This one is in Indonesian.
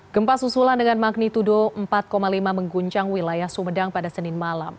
gempa susulan dengan magnitudo empat lima mengguncang wilayah sumedang pada senin malam